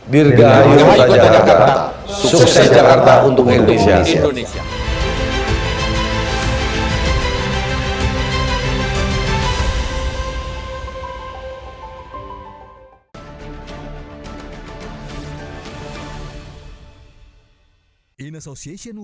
dirgai kota jakarta sukses jakarta untuk indonesia